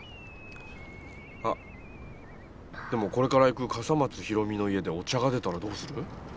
あっでもこれから行く笠松ひろみの家でお茶が出たらどうする？